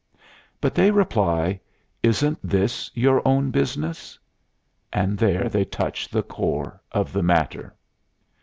But they reply: "Isn't this your own business?" And there they touch the core of the matter.